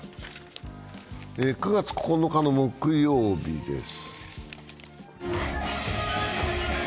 ９月９日木曜日です。